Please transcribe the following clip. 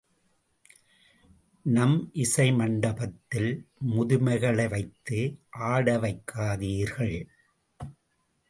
நம் இசை மண்டபத்தில் முதுமைகளை வைத்து ஆடவைக்காதீர்கள்.